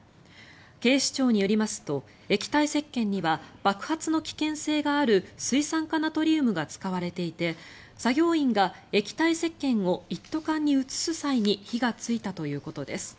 警視庁によりますと液体せっけんには爆発の危険性がある水酸化ナトリウムが使われていて作業員が液体せっけんを一斗缶に移す際に火がついたということです。